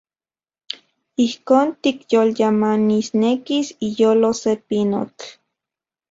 Ijkon tikyolyamanisnekis iyolo se pinotl.